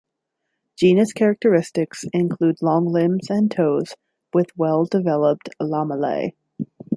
Genus characteristics include long limbs and toes with well-developed lamellae.